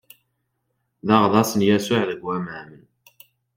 D aɣḍaṣ n Yasuɛ deg waman.